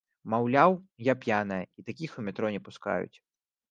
Маўляў, я п'яная, і такіх у метро не пускаюць.